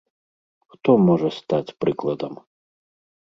Хто можа стаць прыкладам?